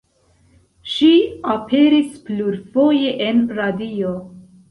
Ŝi aperis plurfoje en radio.